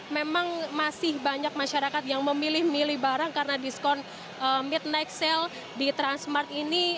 memang masih banyak masyarakat yang memilih milih barang karena diskon midnight sale di transmart ini